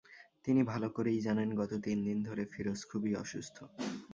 তিনি ভালো করেই জানেন, গত তিন দিন ধরে ফিরোজ খুবই অসুস্থ।